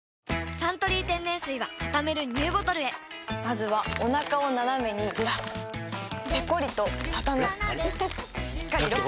「サントリー天然水」はたためるＮＥＷボトルへまずはおなかをナナメにずらすペコリ！とたたむしっかりロック！